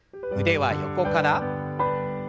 腕は横から。